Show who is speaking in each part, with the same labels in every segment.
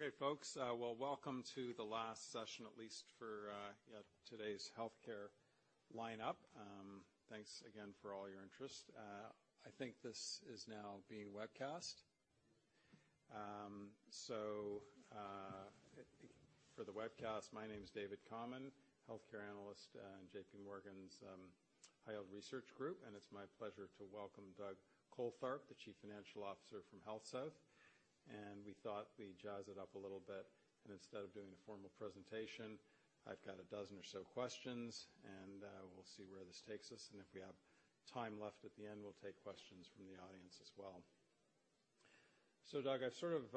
Speaker 1: Okay, folks. Well, welcome to the last session, at least for today's healthcare lineup. Thanks again for all your interest. I think this is now being webcast. For the webcast, my name is David Kamin, healthcare analyst in J.P. Morgan's High Yield Research Group, and it's my pleasure to welcome Douglas Coltharp, the Chief Financial Officer from HealthSouth. We thought we'd jazz it up a little bit, and instead of doing a formal presentation, I've got 12 or so questions, and we'll see where this takes us, and if we have time left at the end, we'll take questions from the audience as well. Doug, I've sort of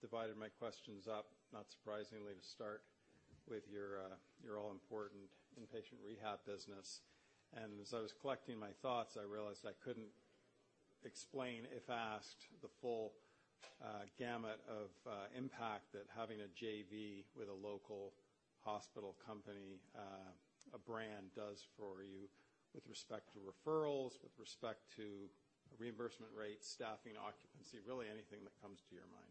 Speaker 1: divided my questions up, not surprisingly, to start with your all-important inpatient rehab business. As I was collecting my thoughts, I realized I couldn't explain, if asked, the full gamut of impact that having a JV with a local hospital company, a brand does for you with respect to referrals, with respect to reimbursement rates, staffing, occupancy, really anything that comes to your mind.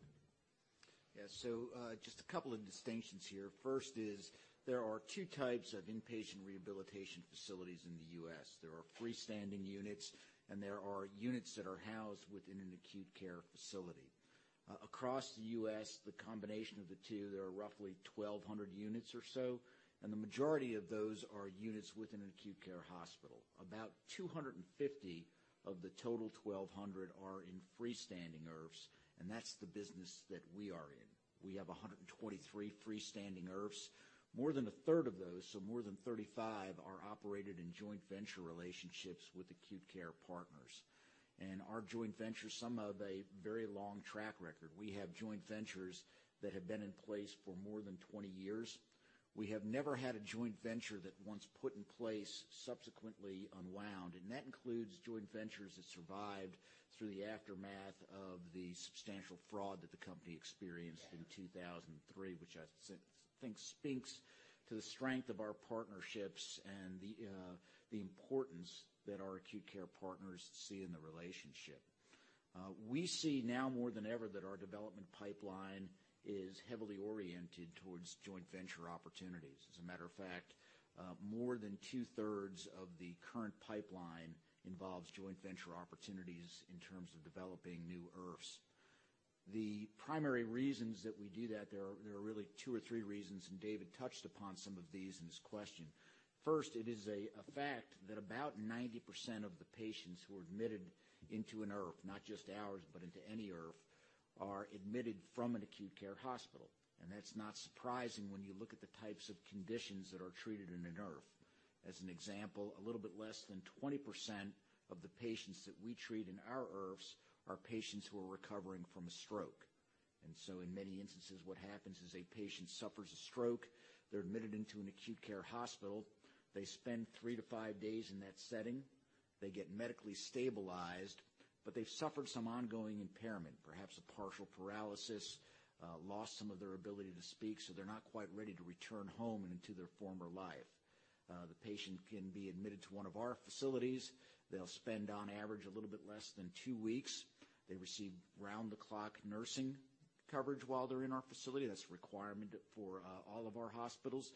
Speaker 2: Just a couple of distinctions here. First is there are 2 types of inpatient rehabilitation facilities in the U.S. There are freestanding units, and there are units that are housed within an acute care facility. Across the U.S., the combination of the two, there are roughly 1,200 units or so, and the majority of those are units within an acute care hospital. About 250 of the total 1,200 are in freestanding IRFs, and that's the business that we are in. We have 123 freestanding IRFs. More than a third of those, so more than 35, are operated in joint venture relationships with acute care partners. Our joint ventures, some have a very long track record. We have joint ventures that have been in place for more than 20 years. We have never had a joint venture that once put in place subsequently unwound, and that includes joint ventures that survived through the aftermath of the substantial fraud that the company experienced in 2003, which I think speaks to the strength of our partnerships and the importance that our acute care partners see in the relationship. We see now more than ever that our development pipeline is heavily oriented towards joint venture opportunities. As a matter of fact, more than two-thirds of the current pipeline involves joint venture opportunities in terms of developing new IRFs. The primary reasons that we do that, there are really two or three reasons, and David touched upon some of these in his question. First, it is a fact that about 90% of the patients who are admitted into an IRF, not just ours, but into any IRF, are admitted from an acute care hospital. That's not surprising when you look at the types of conditions that are treated in an IRF. As an example, a little bit less than 20% of the patients that we treat in our IRFs are patients who are recovering from a stroke. In many instances, what happens is a patient suffers a stroke, they're admitted into an acute care hospital, they spend three to five days in that setting. They get medically stabilized, but they've suffered some ongoing impairment, perhaps a partial paralysis, lost some of their ability to speak, so they're not quite ready to return home and into their former life. The patient can be admitted to one of our facilities. They'll spend, on average, a little bit less than two weeks. They receive round-the-clock nursing coverage while they're in our facility. That's a requirement for all of our hospitals,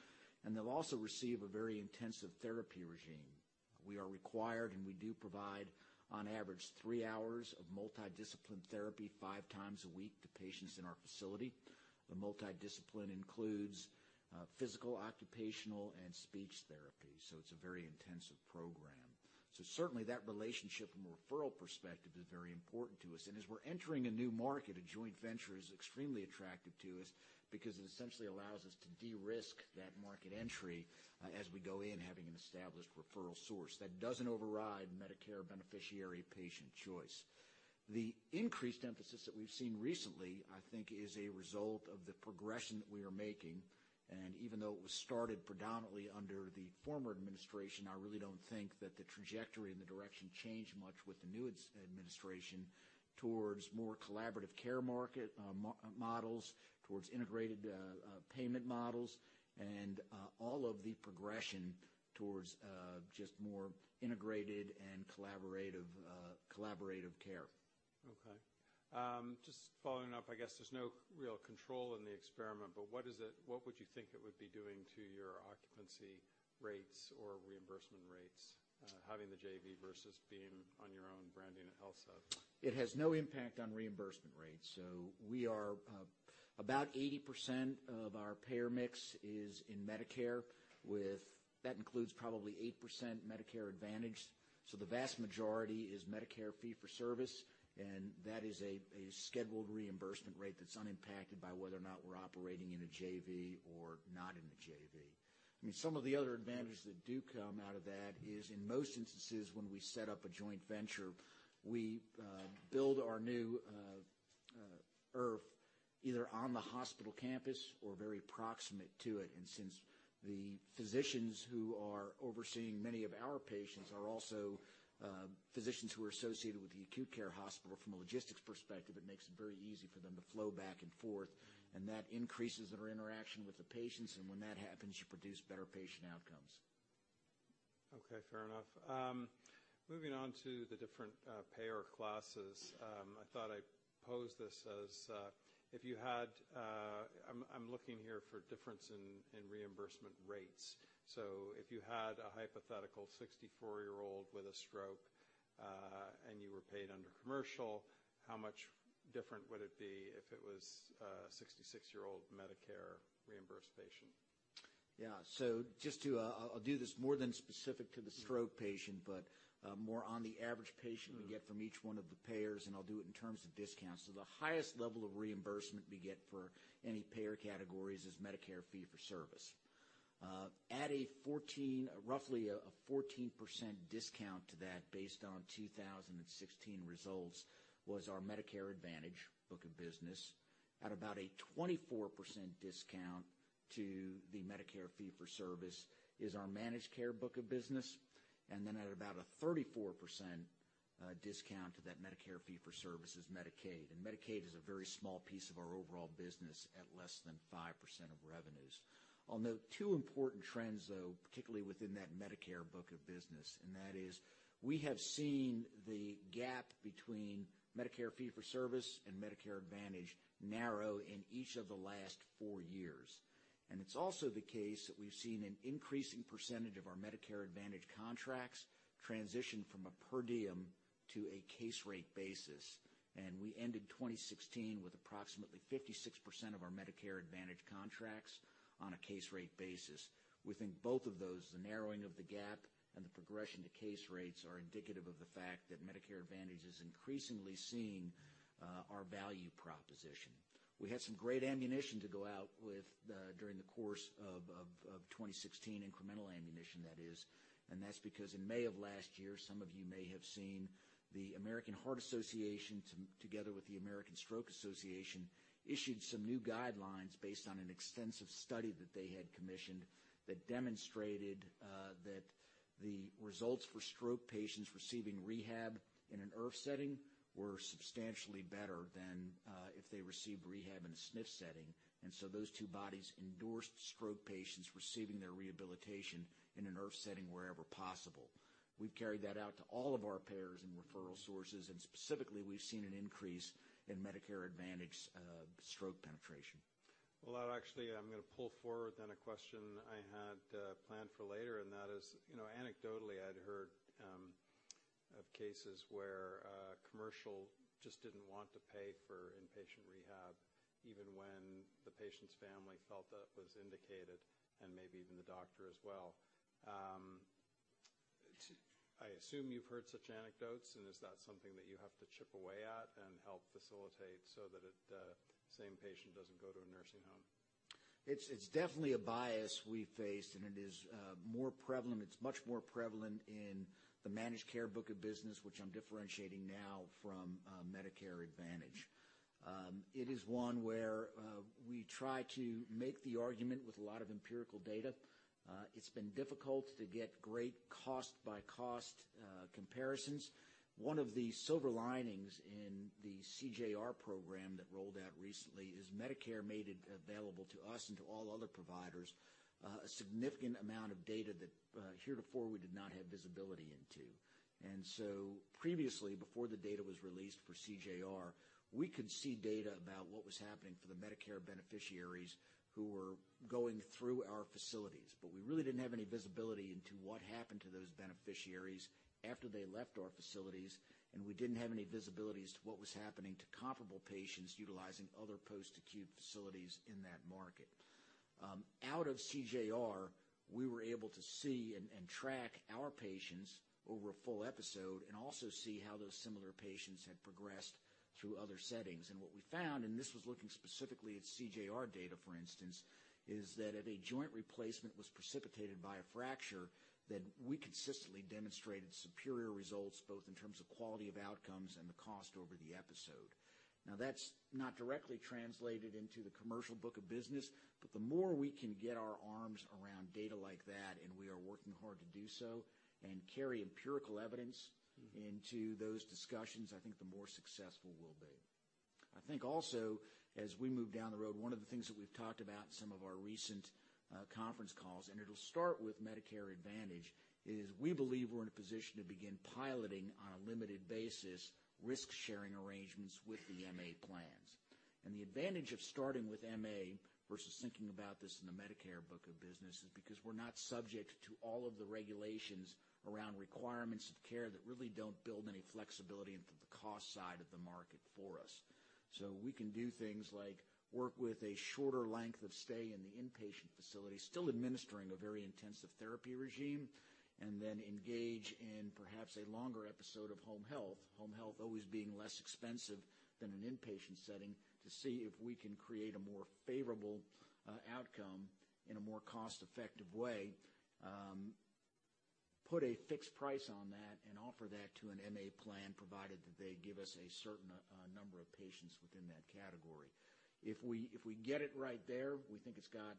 Speaker 2: and they'll also receive a very intensive therapy regime. We are required, and we do provide, on average, three hours of multi-discipline therapy five times a week to patients in our facility. The multi-discipline includes physical, occupational, and speech therapy, so it's a very intensive program. Certainly that relationship from a referral perspective is very important to us. As we're entering a new market, a joint venture is extremely attractive to us because it essentially allows us to de-risk that market entry as we go in having an established referral source that doesn't override Medicare beneficiary patient choice. The increased emphasis that we've seen recently, I think, is a result of the progression that we are making, and even though it was started predominantly under the former administration, I really don't think that the trajectory and the direction changed much with the new administration towards more collaborative care market models, towards integrated payment models, and all of the progression towards just more integrated and collaborative care.
Speaker 1: Okay. Just following up, I guess there's no real control in the experiment, but what would you think it would be doing to your occupancy rates or reimbursement rates, having the JV versus being on your own branding at HealthSouth?
Speaker 2: It has no impact on reimbursement rates. About 80% of our payer mix is in Medicare. That includes probably 8% Medicare Advantage. The vast majority is Medicare fee-for-service, and that is a scheduled reimbursement rate that's unimpacted by whether or not we're operating in a JV or not in a JV. Some of the other advantages that do come out of that is in most instances, when we set up a joint venture, we build our new IRF either on the hospital campus or very proximate to it. Since the physicians who are overseeing many of our patients are also physicians who are associated with the acute care hospital, from a logistics perspective, it makes it very easy for them to flow back and forth, and that increases their interaction with the patients. When that happens, you produce better patient outcomes.
Speaker 1: Okay, fair enough. Moving on to the different payer classes. I thought I'd pose this as, I'm looking here for difference in reimbursement rates. If you had a hypothetical 64-year-old with a stroke, and you were paid under commercial, how much different would it be if it was a 66-year-old Medicare reimbursed patient?
Speaker 2: Yeah. I'll do this more than specific to the stroke patient, but more on the average patient we get from each one of the payers, and I'll do it in terms of discounts. The highest level of reimbursement we get for any payer categories is Medicare fee-for-service. At a roughly a 14% discount to that based on 2016 results was our Medicare Advantage book of business. At about a 24% discount to the Medicare fee-for-service is our managed care book of business. At about a 34% discount to that Medicare fee-for-service is Medicaid. Medicaid is a very small piece of our overall business at less than 5% of revenues. I'll note two important trends, though, particularly within that Medicare book of business, and that is we have seen the gap between Medicare fee-for-service and Medicare Advantage narrow in each of the last four years. It's also the case that we've seen an increasing percentage of our Medicare Advantage contracts transition from a per diem to a case rate basis. We ended 2016 with approximately 56% of our Medicare Advantage contracts on a case rate basis. We think both of those, the narrowing of the gap and the progression to case rates, are indicative of the fact that Medicare Advantage is increasingly seeing our value proposition. We had some great ammunition to go out with during the course of 2016, incremental ammunition that is. That's because in May of last year, some of you may have seen the American Heart Association together with the American Stroke Association, issued some new guidelines based on an extensive study that they had commissioned that demonstrated that the results for stroke patients receiving rehab in an IRF setting were substantially better than if they received rehab in a SNF setting. Those two bodies endorsed stroke patients receiving their rehabilitation in an IRF setting wherever possible. We've carried that out to all of our payers and referral sources. Specifically, we've seen an increase in Medicare Advantage stroke penetration.
Speaker 1: Well, actually, I'm going to pull forward then a question I had planned for later. That is anecdotally, I'd heard of cases where commercial just didn't want to pay for inpatient rehab, even when the patient's family felt that was indicated and maybe even the doctor as well. I assume you've heard such anecdotes. Is that something that you have to chip away at and help facilitate so that the same patient doesn't go to a nursing home?
Speaker 2: It's definitely a bias we've faced. It is more prevalent. It's much more prevalent in the managed care book of business, which I'm differentiating now from Medicare Advantage. It is one where we try to make the argument with a lot of empirical data. It's been difficult to get great cost-by-cost comparisons. One of the silver linings in the CJR program that rolled out recently is Medicare made it available to us and to all other providers, a significant amount of data that heretofore we did not have visibility into. Previously, before the data was released for CJR, we could see data about what was happening for the Medicare beneficiaries who were going through our facilities. We really didn't have any visibility into what happened to those beneficiaries after they left our facilities. We didn't have any visibility as to what was happening to comparable patients utilizing other post-acute facilities in that market. Out of CJR, we were able to see and track our patients over a full episode and also see how those similar patients had progressed through other settings. What we found, and this was looking specifically at CJR data, for instance, is that if a joint replacement was precipitated by a fracture, then we consistently demonstrated superior results, both in terms of quality of outcomes and the cost over the episode. That's not directly translated into the commercial book of business, but the more we can get our arms around data like that, and we are working hard to do so, and carry empirical evidence into those discussions, I think the more successful we'll be. I think also as we move down the road, one of the things that we've talked about in some of our recent conference calls, and it'll start with Medicare Advantage, is we believe we're in a position to begin piloting on a limited basis risk-sharing arrangements with the MA plans. The advantage of starting with MA versus thinking about this in the Medicare book of business is because we're not subject to all of the regulations around requirements of care that really don't build any flexibility into the cost side of the market for us. We can do things like work with a shorter length of stay in the inpatient facility, still administering a very intensive therapy regime, and then engage in perhaps a longer episode of home health, home health always being less expensive than an inpatient setting, to see if we can create a more favorable outcome in a more cost-effective way, put a fixed price on that, and offer that to an MA plan, provided that they give us a certain number of patients within that category. If we get it right there, we think it's got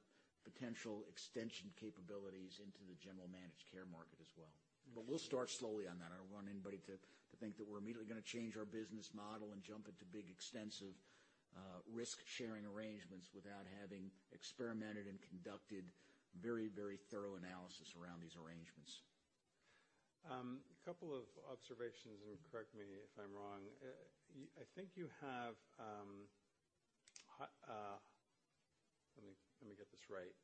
Speaker 2: potential extension capabilities into the general managed care market as well. We'll start slowly on that. I don't want anybody to think that we're immediately going to change our business model and jump into big extensive risk-sharing arrangements without having experimented and conducted very thorough analysis around these arrangements.
Speaker 1: A couple of observations, and correct me if I'm wrong. Let me get this right.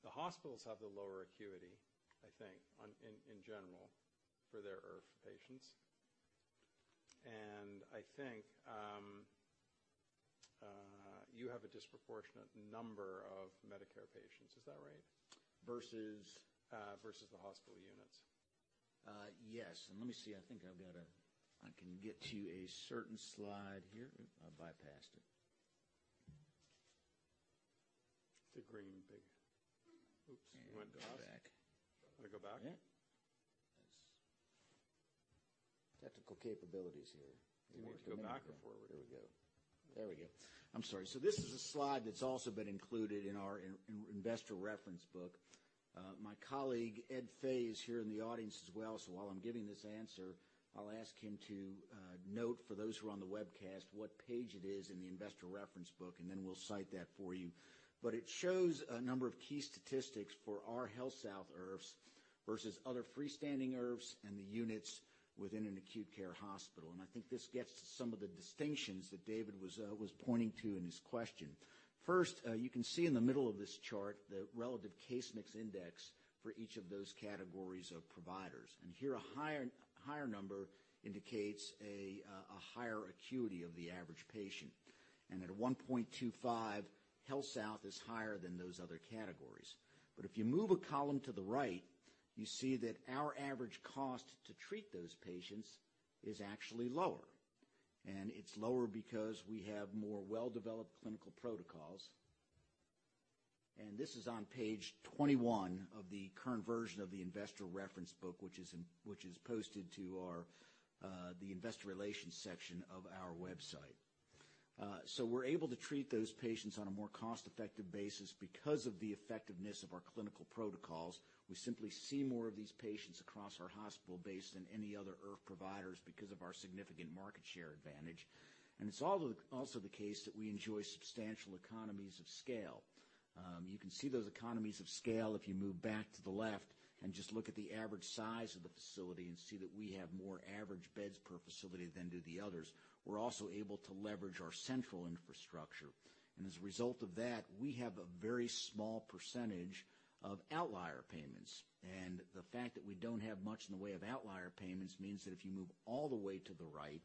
Speaker 1: The hospitals have the lower acuity, I think, in general for their IRF patients. I think you have a disproportionate number of Medicare patients, is that right?
Speaker 2: Versus?
Speaker 1: Versus the hospital units.
Speaker 2: Yes. Let me see. I think I can get to a certain slide here. I bypassed it.
Speaker 1: It's the green pick. Oops. It went to us.
Speaker 2: Back.
Speaker 1: Want to go back?
Speaker 2: Yeah. Technical capabilities here.
Speaker 1: Do you want me to go back or forward?
Speaker 2: Here we go. There we go. I'm sorry. This is a slide that's also been included in our investor reference book. My colleague, Ed Fay, is here in the audience as well, so while I'm giving this answer, I'll ask him to note for those who are on the webcast what page it is in the investor reference book, then we'll cite that for you. It shows a number of key statistics for our HealthSouth IRFs versus other freestanding IRFs and the units within an acute care hospital. I think this gets to some of the distinctions that David was pointing to in his question. First, you can see in the middle of this chart the relative case mix index for each of those categories of providers. Here a higher number indicates a higher acuity of the average patient. At 1.25, HealthSouth is higher than those other categories. If you move a column to the right, you see that our average cost to treat those patients is actually lower, and it's lower because we have more well-developed clinical protocols. This is on page 21 of the current version of the investor reference book, which is posted to the investor relations section of our website. We're able to treat those patients on a more cost-effective basis because of the effectiveness of our clinical protocols. We simply see more of these patients across our hospital based than any other IRF providers because of our significant market share advantage. It's also the case that we enjoy substantial economies of scale. You can see those economies of scale if you move back to the left and just look at the average size of the facility and see that we have more average beds per facility than do the others. We're also able to leverage our central infrastructure. As a result of that, we have a very small percentage of outlier payments. The fact that we don't have much in the way of outlier payments means that if you move all the way to the right,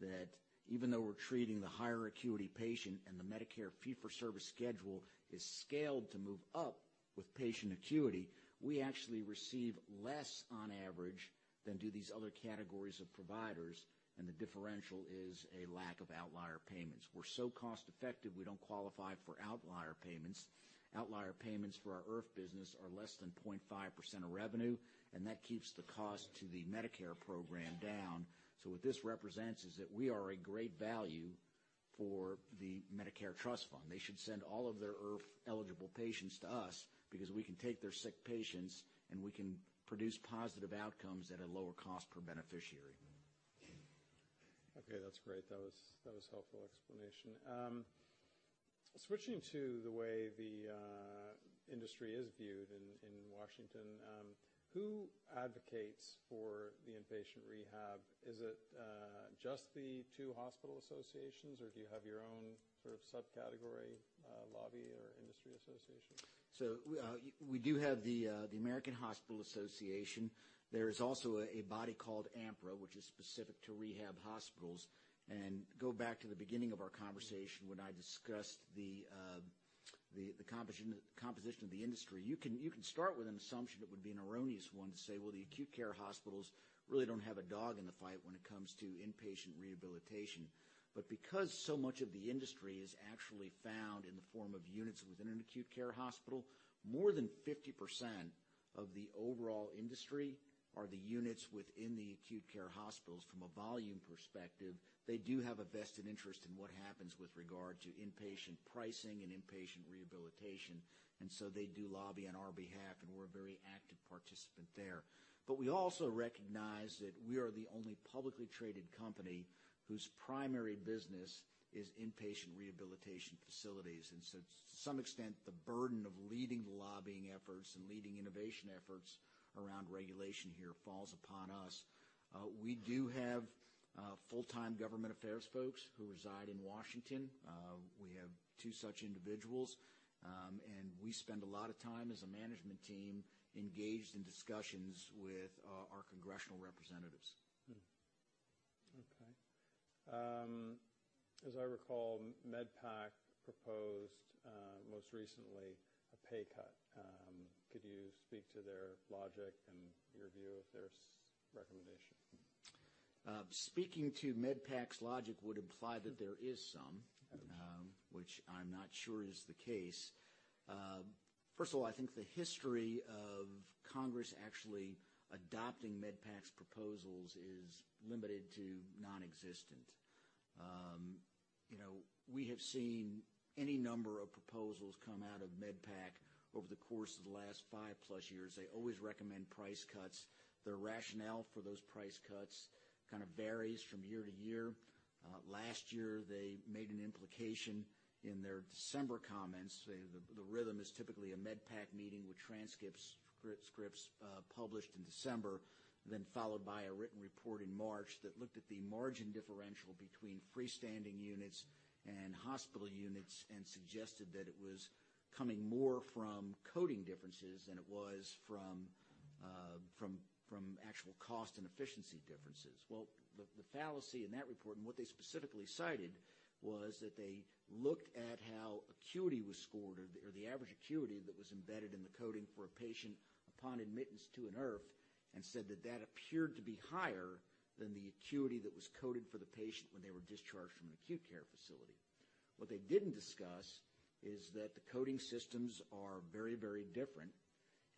Speaker 2: that even though we're treating the higher acuity patient and the Medicare fee-for-service schedule is scaled to move up with patient acuity, we actually receive less on average than do these other categories of providers, and the differential is a lack of outlier payments. We're so cost-effective, we don't qualify for outlier payments. Outlier payments for our IRF business are less than 0.5% of revenue, that keeps the cost to the Medicare program down. What this represents is that we are a great value for the Medicare Trust Fund. They should send all of their IRF-eligible patients to us because we can take their sick patients, and we can produce positive outcomes at a lower cost per beneficiary.
Speaker 1: Okay, that's great. That was helpful explanation. Switching to the way the industry is viewed in Washington. Who advocates for the inpatient rehab? Is it just the two hospital associations, or do you have your own sort of subcategory, lobby, or industry association?
Speaker 2: We do have the American Hospital Association. There is also a body called AMRPA, which is specific to rehab hospitals. Go back to the beginning of our conversation when I discussed the composition of the industry. You can start with an assumption that would be an erroneous one to say, well, the acute care hospitals really don't have a dog in the fight when it comes to inpatient rehabilitation. Because so much of the industry is actually found in the form of units within an acute care hospital, more than 50% of the overall industry are the units within the acute care hospitals. From a volume perspective, they do have a vested interest in what happens with regard to inpatient pricing and inpatient rehabilitation, and so they do lobby on our behalf, and we're a very active participant there. We also recognize that we are the only publicly traded company whose primary business is inpatient rehabilitation facilities. To some extent, the burden of leading the lobbying efforts and leading innovation efforts around regulation here falls upon us. We do have full-time government affairs folks who reside in Washington. We have two such individuals. We spend a lot of time as a management team engaged in discussions with our congressional representatives.
Speaker 1: Okay. As I recall, MedPAC proposed, most recently, a pay cut. Could you speak to their logic and your view of their recommendation?
Speaker 2: Speaking to MedPAC's logic would imply that there is some, which I'm not sure is the case. First of all, I think the history of Congress actually adopting MedPAC's proposals is limited to nonexistent. We have seen any number of proposals come out of MedPAC over the course of the last five-plus years. They always recommend price cuts. Their rationale for those price cuts Kind of varies from year to year. Last year, they made an implication in their December comments. The rhythm is typically a MedPAC meeting with transcripts published in December, then followed by a written report in March that looked at the margin differential between freestanding units and hospital units, and suggested that it was coming more from coding differences than it was from actual cost and efficiency differences. Well, the fallacy in that report, and what they specifically cited, was that they looked at how acuity was scored or the average acuity that was embedded in the coding for a patient upon admittance to an IRF, and said that that appeared to be higher than the acuity that was coded for the patient when they were discharged from an acute care facility. What they didn't discuss is that the coding systems are very different,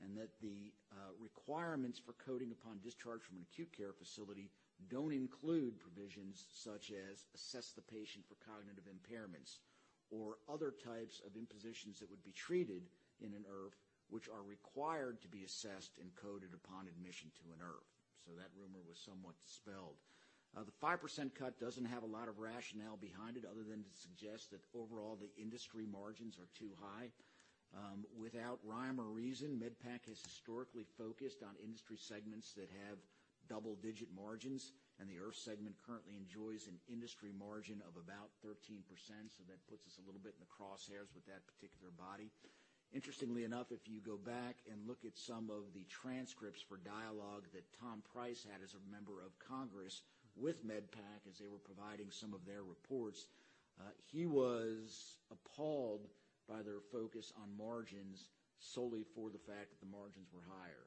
Speaker 2: and that the requirements for coding upon discharge from an acute care facility don't include provisions such as assess the patient for cognitive impairments or other types of impositions that would be treated in an IRF, which are required to be assessed and coded upon admission to an IRF. That rumor was somewhat dispelled. The 5% cut doesn't have a lot of rationale behind it other than to suggest that overall the industry margins are too high. Without rhyme or reason, MedPAC has historically focused on industry segments that have double-digit margins, and the IRF segment currently enjoys an industry margin of about 13%, so that puts us a little bit in the crosshairs with that particular body. Interestingly enough, if you go back and look at some of the transcripts for dialogue that Tom Price had as a member of Congress with MedPAC as they were providing some of their reports, he was appalled by their focus on margins solely for the fact that the margins were higher.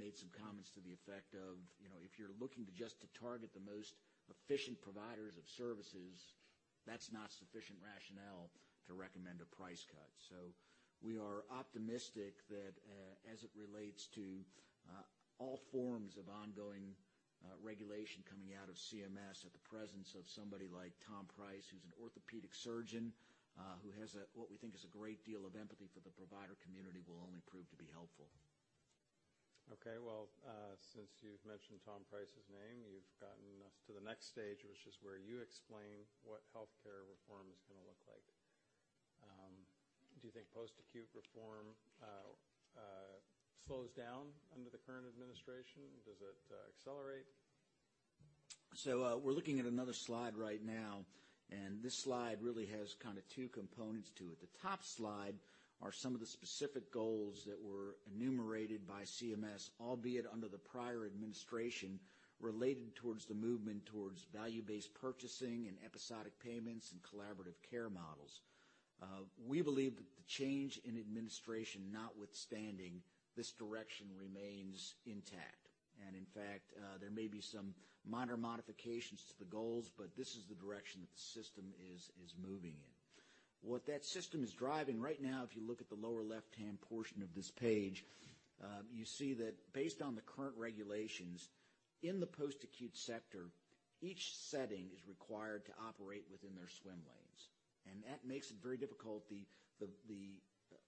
Speaker 2: Made some comments to the effect of, if you're looking to just to target the most efficient providers of services, that's not sufficient rationale to recommend a price cut. We are optimistic that, as it relates to all forms of ongoing regulation coming out of CMS at the presence of somebody like Tom Price, who's an orthopedic surgeon, who has what we think is a great deal of empathy for the provider community, will only prove to be helpful.
Speaker 1: Okay. Well, since you've mentioned Tom Price's name, you've gotten us to the next stage, which is where you explain what healthcare reform is going to look like. Do you think post-acute reform slows down under the current administration? Does it accelerate?
Speaker 2: We're looking at another slide right now, this slide really has two components to it. The top slide are some of the specific goals that were enumerated by CMS, albeit under the prior administration, related towards the movement towards value-based purchasing and episodic payments and collaborative care models. We believe that the change in administration notwithstanding, this direction remains intact. In fact, there may be some minor modifications to the goals, but this is the direction that the system is moving in. What that system is driving right now, if you look at the lower left-hand portion of this page, you see that based on the current regulations, in the post-acute sector, each setting is required to operate within their swim lanes. That makes it very difficult, the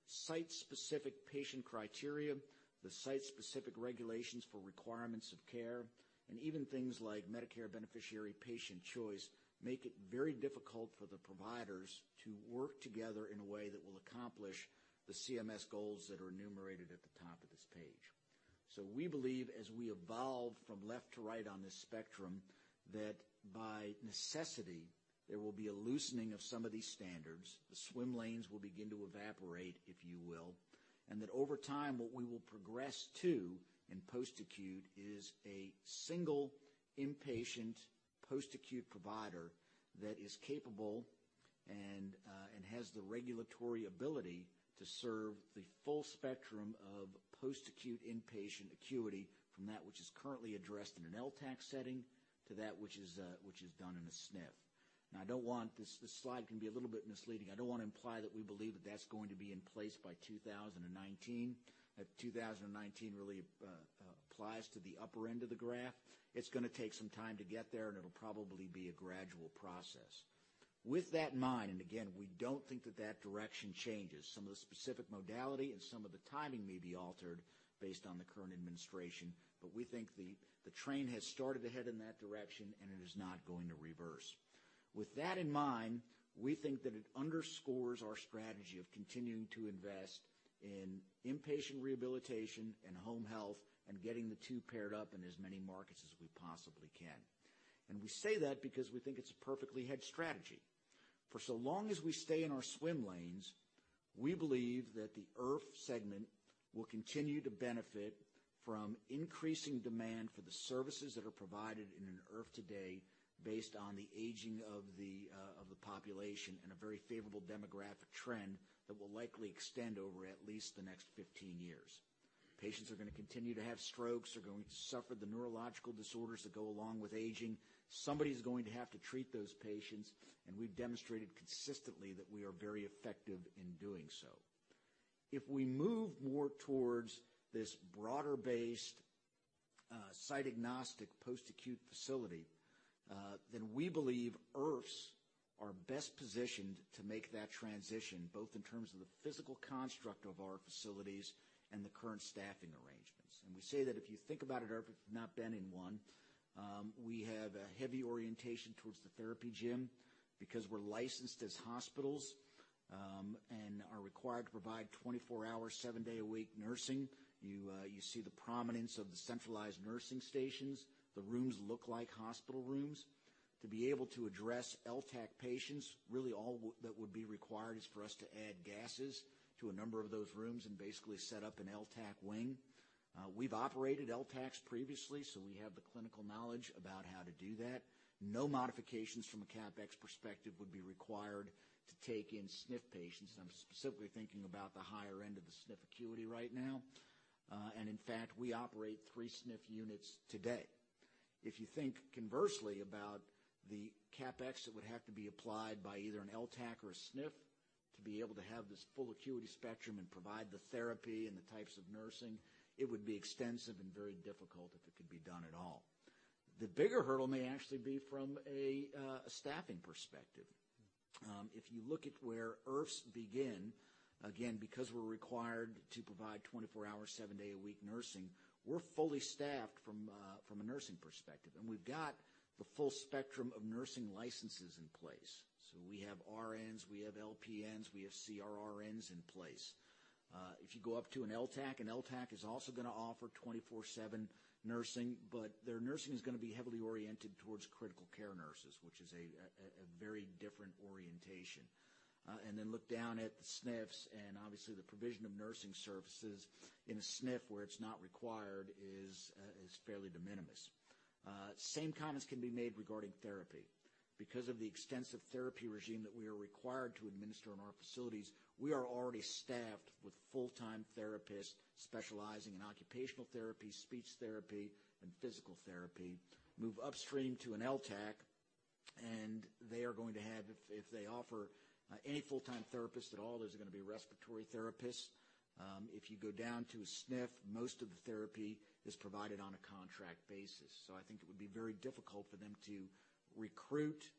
Speaker 2: site-specific patient criteria, the site-specific regulations for requirements of care, and even things like Medicare beneficiary patient choice make it very difficult for the providers to work together in a way that will accomplish the CMS goals that are enumerated at the top of this page. We believe as we evolve from left to right on this spectrum, that by necessity, there will be a loosening of some of these standards. The swim lanes will begin to evaporate, if you will, and that over time, what we will progress to in post-acute is a single inpatient post-acute provider that is capable and has the regulatory ability to serve the full spectrum of post-acute inpatient acuity from that which is currently addressed in an LTCH setting to that which is done in a SNF. Now, this slide can be a little bit misleading. I don't want to imply that we believe that that's going to be in place by 2019. 2019 really applies to the upper end of the graph. It's going to take some time to get there, and it will probably be a gradual process. With that in mind, and again, we don't think that that direction changes. Some of the specific modality and some of the timing may be altered based on the current administration, but we think the train has started to head in that direction, and it is not going to reverse. With that in mind, we think that it underscores our strategy of continuing to invest in inpatient rehabilitation and home health and getting the two paired up in as many markets as we possibly can. And we say that because we think it's a perfectly hedged strategy. For so long as we stay in our swim lanes, we believe that the IRF segment will continue to benefit from increasing demand for the services that are provided in an IRF today based on the aging of the population and a very favorable demographic trend that will likely extend over at least the next 15 years. Patients are going to continue to have strokes, are going to suffer the neurological disorders that go along with aging. Somebody's going to have to treat those patients, and we've demonstrated consistently that we are very effective in doing so. We believe IRFs are best positioned to make that transition, both in terms of the physical construct of our facilities and the current staffing arrangements. We say that if you think about an IRF, if you've not been in one, we have a heavy orientation towards the therapy gym because we're licensed as hospitals, and are required to provide 24-hour, seven-day-a-week nursing. You see the prominence of the centralized nursing stations. The rooms look like hospital rooms. To be able to address LTAC patients, really all that would be required is for us to add gases to a number of those rooms and basically set up an LTAC wing. We've operated LTACs previously, so we have the clinical knowledge about how to do that. No modifications from a CapEx perspective would be required to take in SNF patients, and I'm specifically thinking about the higher end of the SNF acuity right now. And in fact, we operate 3 SNF units today. If you think conversely about the CapEx that would have to be applied by either an LTAC or a SNF to be able to have this full acuity spectrum and provide the therapy and the types of nursing, it would be extensive and very difficult if it could be done at all. The bigger hurdle may actually be from a staffing perspective. If you look at where IRFs begin, again, because we're required to provide 24-hour, seven-day-a-week nursing, we're fully staffed from a nursing perspective, and we've got the full spectrum of nursing licenses in place. So we have RNs, we have LPNs, we have CRRNs in place. If you go up to an LTAC, an LTAC is also going to offer 24/7 nursing, but their nursing is going to be heavily oriented towards critical care nurses, which is a very different orientation. Look down at the SNFs and obviously the provision of nursing services in a SNF where it's not required is fairly de minimis. Same comments can be made regarding therapy. Because of the extensive therapy regime that we are required to administer in our facilities, we are already staffed with full-time therapists specializing in occupational therapy, speech therapy, and physical therapy. Move upstream to an LTAC, and they are going to have, if they offer any full-time therapist at all, there's going to be respiratory therapists. If you go down to a SNF, most of the therapy is provided on a contract basis. I think it would be very difficult for them to recruit,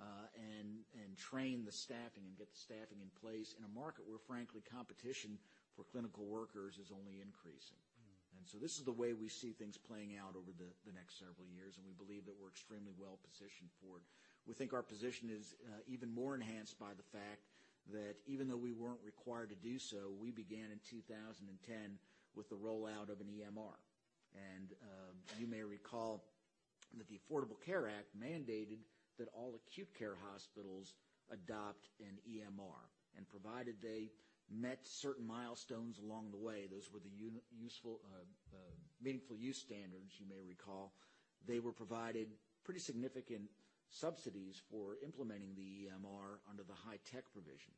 Speaker 2: and train the staffing and get the staffing in place in a market where, frankly, competition for clinical workers is only increasing. This is the way we see things playing out over the next several years, and we believe that we're extremely well-positioned for it. We think our position is even more enhanced by the fact that even though we weren't required to do so, we began in 2010 with the rollout of an EMR. You may recall that the Affordable Care Act mandated that all acute care hospitals adopt an EMR, and provided they met certain milestones along the way. Those were the meaningful use standards, you may recall. They were provided pretty significant subsidies for implementing the EMR under the HITECH provision.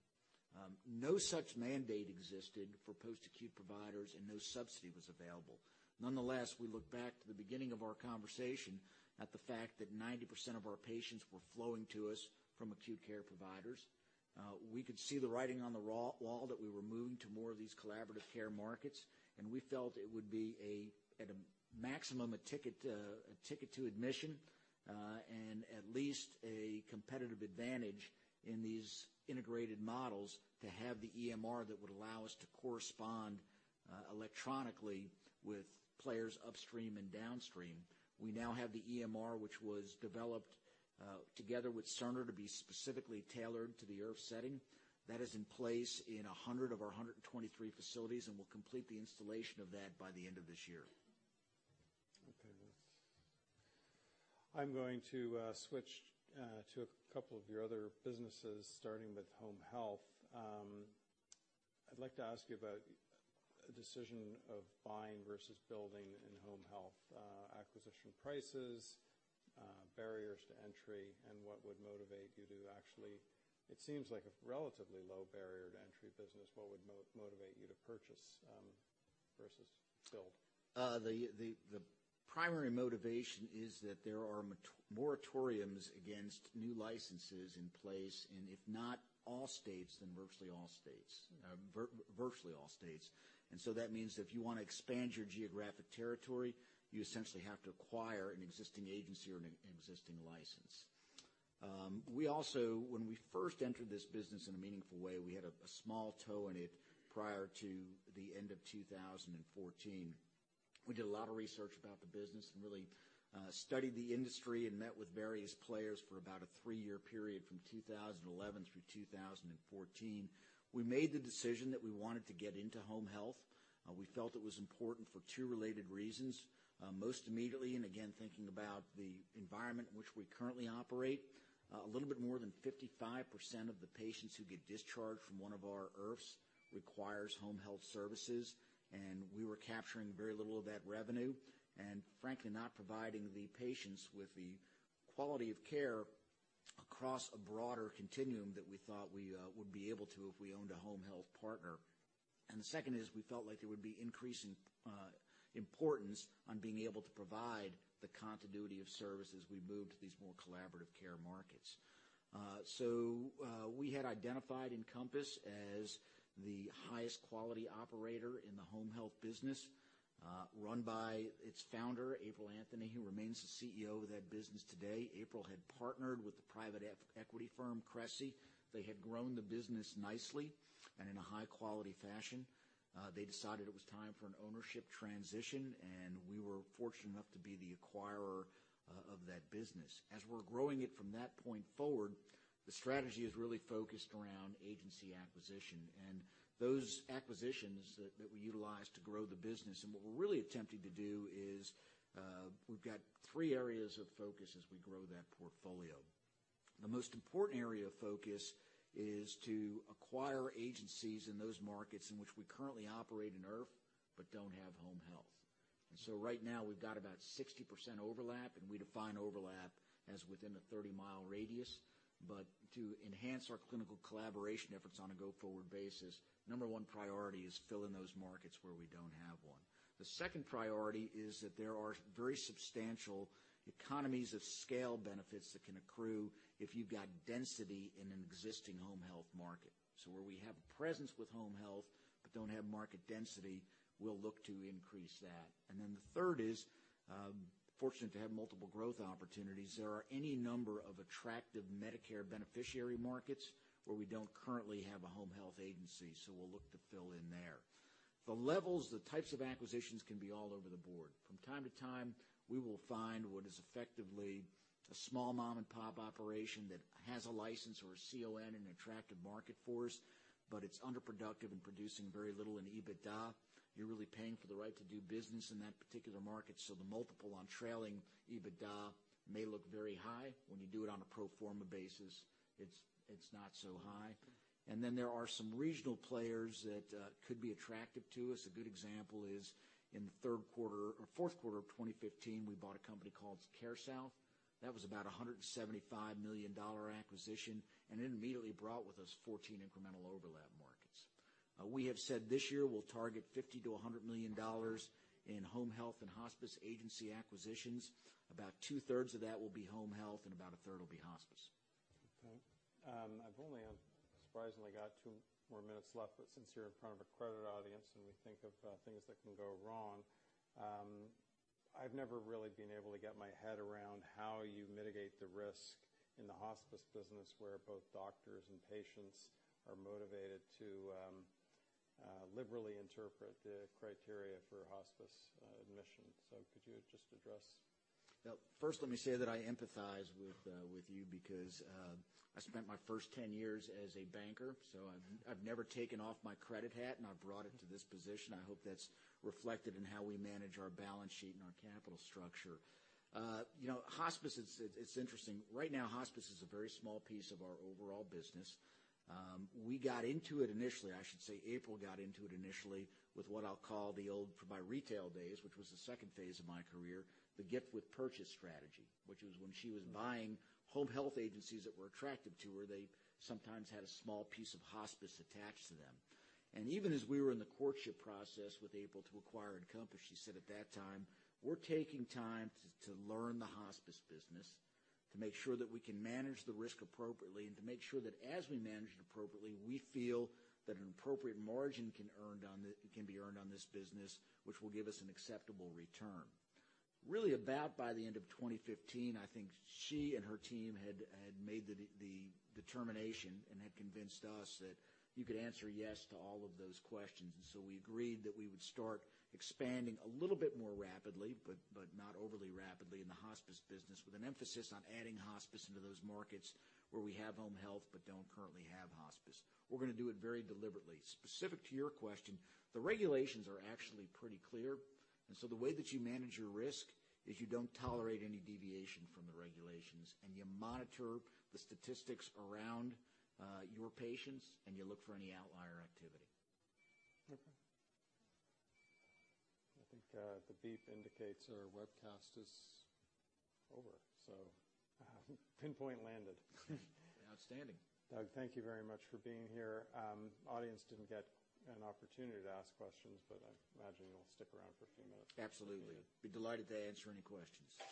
Speaker 2: No such mandate existed for post-acute providers, and no subsidy was available. Nonetheless, we look back to the beginning of our conversation at the fact that 90% of our patients were flowing to us from acute care providers. We could see the writing on the wall that we were moving to more of these collaborative care markets, and we felt it would be at a maximum, a ticket to admission, and at least a competitive advantage in these integrated models to have the EMR that would allow us to correspond electronically with players upstream and downstream. We now have the EMR, which was developed, together with Cerner, to be specifically tailored to the IRF setting. That is in place in 100 of our 123 facilities, and we'll complete the installation of that by the end of this year.
Speaker 1: Okay. I'm going to switch to a couple of your other businesses, starting with home health. I'd like to ask you about a decision of buying versus building in home health, acquisition prices, barriers to entry, and what would motivate you to actually, it seems like a relatively low barrier to entry business. What would motivate you to purchase, versus build?
Speaker 2: The primary motivation is that there are moratoriums against new licenses in place, and if not all states, then virtually all states. That means if you want to expand your geographic territory, you essentially have to acquire an existing agency or an existing license. We also, when we first entered this business in a meaningful way, we had a small toe in it prior to the end of 2014. We did a lot of research about the business and really studied the industry and met with various players for about a three-year period from 2011 through 2014. We made the decision that we wanted to get into home health. We felt it was important for two related reasons. Most immediately, and again, thinking about the environment in which we currently operate, a little bit more than 55% of the patients who get discharged from one of our IRFs requires home health services, and we were capturing very little of that revenue, and frankly, not providing the patients with the quality of care across a broader continuum that we thought we would be able to if we owned a home health partner. The second is we felt like there would be increasing importance on being able to provide the continuity of service as we move to these more collaborative care markets. We had identified Encompass as the highest quality operator in the home health business, run by its founder, April Anthony, who remains the CEO of that business today. April had partnered with the private equity firm Cressey. They had grown the business nicely and in a high-quality fashion. They decided it was time for an ownership transition, and we were fortunate enough to be the acquirer of that business. As we're growing it from that point forward, the strategy is really focused around agency acquisition and those acquisitions that we utilize to grow the business. What we're really attempting to do is, we've got 3 areas of focus as we grow that portfolio. The most important area of focus is to acquire agencies in those markets in which we currently operate in IRF, but don't have home health. Right now, we've got about 60% overlap, and we define overlap as within a 30-mile radius. To enhance our clinical collaboration efforts on a go-forward basis, number 1 priority is fill in those markets where we don't have one. The second priority is that there are very substantial economies of scale benefits that can accrue if you've got density in an existing home health market. Where we have a presence with home health, but don't have market density, we'll look to increase that. The third is, fortunate to have multiple growth opportunities. There are any number of attractive Medicare beneficiary markets where we don't currently have a home health agency, so we'll look to fill in there. The levels, the types of acquisitions can be all over the board. From time to time, we will find what is effectively a small mom-and-pop operation that has a license or a CON in an attractive market for us, but it's underproductive and producing very little in EBITDA. You're really paying for the right to do business in that particular market, the multiple on trailing EBITDA may look very high. When you do it on a pro forma basis, it's not so high. There are some regional players that could be attractive to us. A good example is in the fourth quarter of 2015, we bought a company called CareSouth. That was about a $175 million acquisition, and it immediately brought with us 14 incremental overlap markets. We have said this year we'll target $50 million-$100 million in home health and hospice agency acquisitions. About 2/3 of that will be home health and about 1/3 will be hospice.
Speaker 1: Okay. I've only surprisingly got two more minutes left, since you're in front of a credit audience and we think of things that can go wrong, I've never really been able to get my head around how you mitigate the risk in the hospice business, where both doctors and patients are motivated to liberally interpret the criteria for hospice admission. Could you just address?
Speaker 2: First, let me say that I empathize with you because I spent my first 10 years as a banker, I've never taken off my credit hat, and I've brought it to this position. I hope that's reflected in how we manage our balance sheet and our capital structure. Hospice, it's interesting. Right now, hospice is a very small piece of our overall business. We got into it initially, I should say April got into it initially, with what I'll call the old, from my retail days, which was the second phase of my career, the gift with purchase strategy, which was when she was buying home health agencies that were attractive to her. They sometimes had a small piece of hospice attached to them. Even as we were in the courtship process with April to acquire Encompass, she said at that time, "We're taking time to learn the hospice business, to make sure that we can manage the risk appropriately, and to make sure that as we manage it appropriately, we feel that an appropriate margin can be earned on this business, which will give us an acceptable return." Really, about by the end of 2015, I think she and her team had made the determination and had convinced us that you could answer yes to all of those questions. We agreed that we would start expanding a little bit more rapidly, but not overly rapidly in the hospice business, with an emphasis on adding hospice into those markets where we have home health but don't currently have hospice. We're going to do it very deliberately. Specific to your question, the regulations are actually pretty clear. The way that you manage your risk is you don't tolerate any deviation from the regulations, you monitor the statistics around your patients, and you look for any outlier activity.
Speaker 1: Okay. I think the beep indicates our webcast is over. Pinpoint landed.
Speaker 2: Outstanding.
Speaker 1: Doug, thank you very much for being here. Audience didn't get an opportunity to ask questions, I imagine you'll stick around for a few minutes.
Speaker 2: Absolutely. Be delighted to answer any questions.